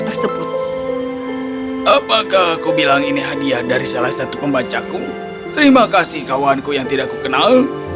tersebut apakah aku bilang ini hadiah dari salah satu membacaku terima kasih kawan yang tidak terkenal